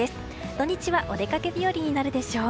土日はお出かけ日和になるでしょう。